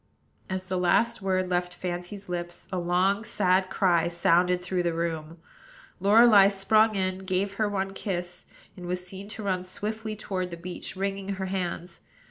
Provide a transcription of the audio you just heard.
As the last word left Fancy's lips, a long, sad cry sounded through the room; Lorelei sprung in, gave her one kiss, and was seen to run swiftly toward the beach, wringing her hands.